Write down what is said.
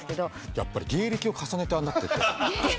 やっぱり芸歴を重ねてああなってってる。